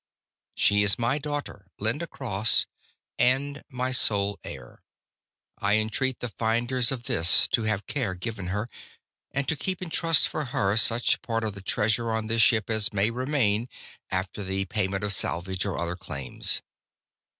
"She is my daughter, Linda Cross, and my sole heir. "I entreat the finders of this to have care given her, and to keep in trust for her such part of the treasure on this ship as may remain after the payment of salvage or other claims.